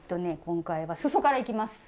今回はすそからいきます。